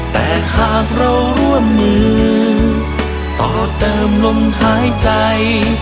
แต่หากเราร่วมมือต่อเติมลมหายใจ